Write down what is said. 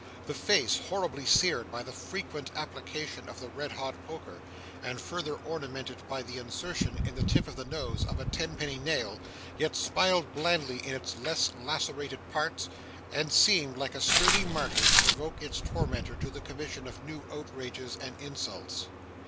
The face, horribly seared by the frequent application of the red hot poker, and further ornamented by the insertion, in the tip of the nose, of a tenpenny nail, yet smiled blandly in its less lacerated parts, and seemed, like a sturdy martyr, to provoke its tormentor to the commission of new outrages and insults.